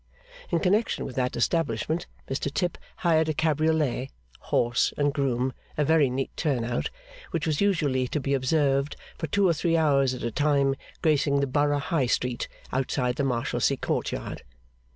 In connection with that establishment, Mr Tip hired a cabriolet, horse, and groom, a very neat turn out, which was usually to be observed for two or three hours at a time gracing the Borough High Street, outside the Marshalsea court yard.